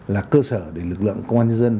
là cơ sở để lực lượng công an nhân dân